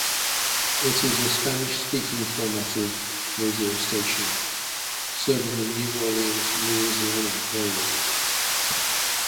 It is a Spanish speaking formatted radio station serving the New Orleans, Louisiana area.